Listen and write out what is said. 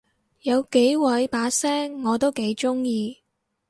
有幾位把聲我都幾中意